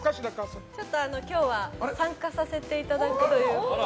今日は参加させていただく。